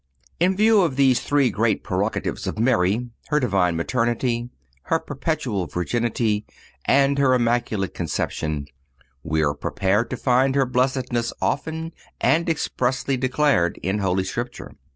In view of these three great prerogatives of Mary—her divine maternity, her perpetual virginity and her Immaculate Conception—we are prepared to find her blessedness often and expressly declared in Holy Scripture.